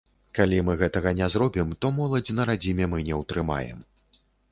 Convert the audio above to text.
Калі мы гэтага не зробім, то моладзь на радзіме мы не ўтрымаем.